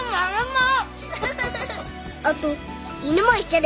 あと犬も一緒です